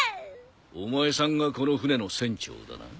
お前さんがこの船の船長だな？